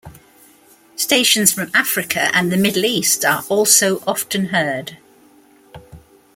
Stations from Africa and the Middle East are also often heard.